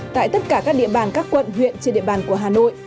tại tất cả các địa bàn các quận huyện trên địa bàn của hà nội